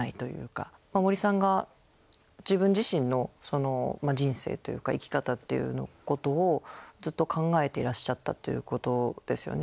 森さんが自分自身の人生というか生き方っていうことをずっと考えていらっしゃったということですよね。